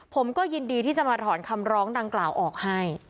ผมก็ยินดีที่จะมาถอนคำร้องดังกล่าวออกให้